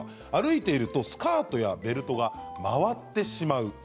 歩いているとスカートやベルトが回ってしまう。